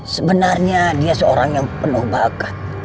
sebenarnya dia seorang yang penuh bakat